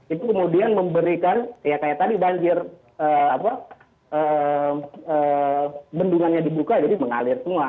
itu kemudian memberikan ya kayak tadi banjir bendungannya dibuka jadi mengalir semua